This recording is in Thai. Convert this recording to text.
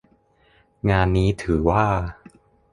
งานนี้ถือว่า